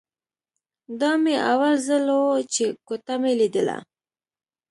دا مې اول ځل و چې کوټه مې ليدله.